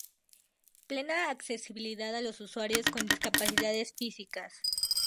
Plena accesibilidad a los usuarios con discapacidades físicas.